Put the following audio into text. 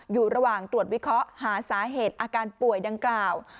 อยู่ระหว่างตรวจวิเคราะห์หาสาเหตุอาการป่วยดังกล่าว